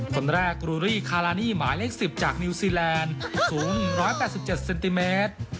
คนแรกรูรี่คารานี่หมาเลขสิบจากนิวซีแลนด์สูงร้อยแปดสิบเจ็ดเซนติเมตร